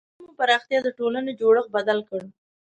د غنمو پراختیا د ټولنې جوړښت بدل کړ.